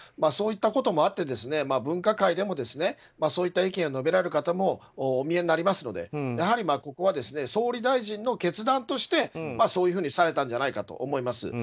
そういったこともあって分科会でもそういった意見を述べられる方もお見えになりますのでやはり、ここは総理大臣の決断としてそういうふうにされたんじゃないかと思います。